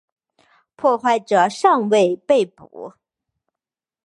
破坏者尚未被捕。